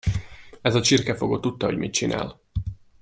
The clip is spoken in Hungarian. Ez a csirkefogó tudta, hogy mit csinál.